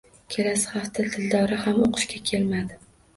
Kelasi hafta Dildora ham oʻqishga kelmadi.